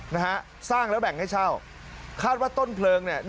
นะฮะสร้างแล้วแบ่งให้เช่าคาดว่าต้นเพลิงเนี่ย